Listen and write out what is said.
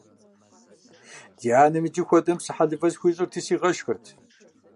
Ди анэм иджы хуэдэм псы хэлывэ схуищӀырти сигъэшхырт.